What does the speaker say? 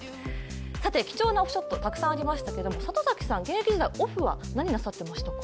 さて、貴重なオフショットたくさんありましたけど里崎さん、現役時代、オフは何なさってましたか？